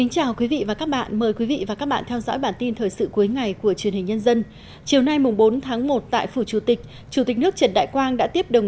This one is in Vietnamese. chào mừng quý vị đến với bản tin thời sự cuối ngày của truyền hình nhân dân